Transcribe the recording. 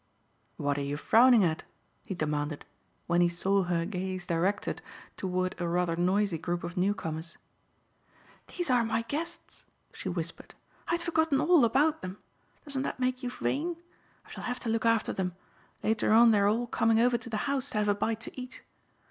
"What are you frowning at?" he demanded when he saw her gaze directed toward a rather noisy group of newcomers. "These are my guests," she whispered. "I'd forgotten all about them. Doesn't that make you vain? I shall have to look after them. Later on they are all coming over to the house to have a bite to eat."